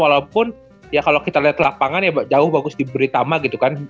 walaupun ya kalau kita lihat lapangan ya jauh bagus diberitama gitu kan